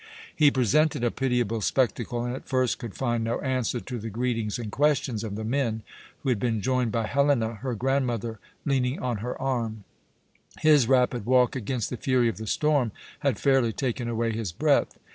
He presented a pitiable spectacle and at first could find no answer to the greetings and questions of the men, who had been joined by Helena, her grandmother leaning on her arm; his rapid walk against the fury of the storm had fairly taken away his breath.